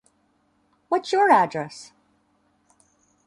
What's your address?